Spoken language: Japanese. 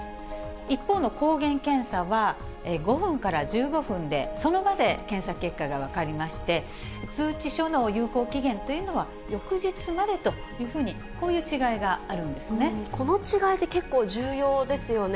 一方の抗原検査は、５分から１５分で、その場で検査結果が分かりまして、通知書の有効期限というのは、翌日までというふうに、こういうこの違いって、結構重要ですよね。